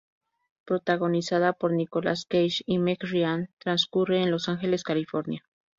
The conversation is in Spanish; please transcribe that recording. Protagonizada por Nicolas Cage y Meg Ryan, transcurre en Los Ángeles, California.